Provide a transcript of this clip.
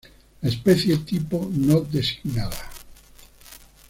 La especie tipo no designada.